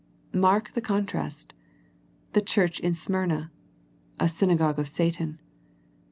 Mark the contrast. The church in Smyrna. A synagogue of Satan.